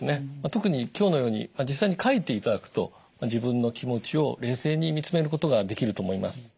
特に今日のように実際に書いていただくと自分の気持ちを冷静に見つめることができると思います。